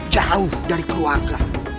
jauh dari keluarga